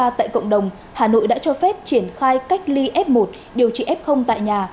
và các ca tại cộng đồng hà nội đã cho phép triển khai cách ly f một điều trị f tại nhà